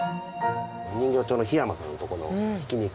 人形町の日山さんの所のひき肉。